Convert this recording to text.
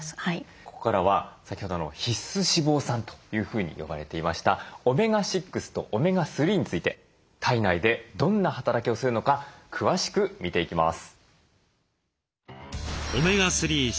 ここからは先ほど必須脂肪酸というふうに呼ばれていましたオメガ６とオメガ３について体内でどんな働きをするのか詳しく見ていきます。